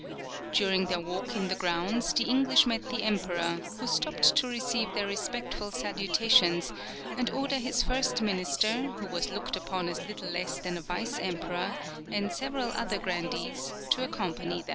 During their walk in the grounds, the English met the emperor, who stopped to receive their respectful salutations, and order his first minister, who was looked upon as little less than a vice emperor, and several other grandees to accompany them.